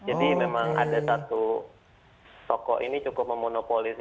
jadi memang ada satu toko ini cukup memonopoli